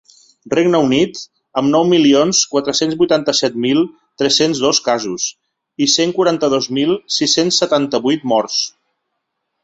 Regne Unit, amb nou milions quatre-cents vuitanta-set mil tres-cents dos casos i cent quaranta-dos mil sis-cents setanta-vuit morts.